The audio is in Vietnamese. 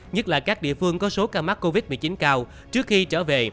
nhất là các địa phương có số ca mắc covid một mươi chín cao trước khi trở về